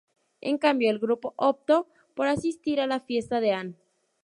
En cambio, el grupo optó por asistir a la fiesta de Ann.